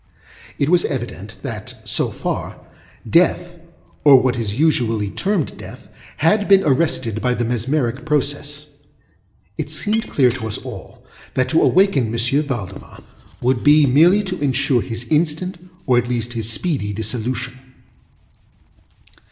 It was evident that, so far, death (or what is usually termed death) had been arrested by the mesmeric process. It seemed clear to us all that to awaken M. Valdemar would be merely to insure his instant, or at least his speedy, dissolution.